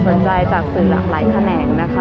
สนใจจากสื่อหลากหลายแขนงนะคะ